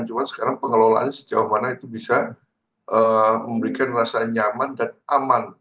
cuma sekarang pengelolaannya sejauh mana itu bisa memberikan rasa nyaman dan aman